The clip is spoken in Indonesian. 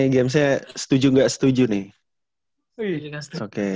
gamesnya setuju gak setuju nih